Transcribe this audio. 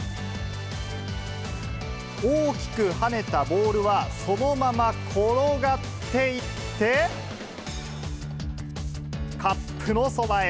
大きくはねたボールは、そのまま転がっていって、カップのそばへ。